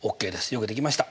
よくできました。